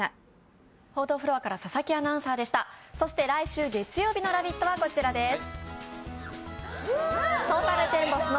来週月曜日の「ラヴィット！」はこちらです。